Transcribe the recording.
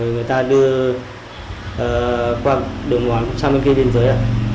người ta đưa qua biên giới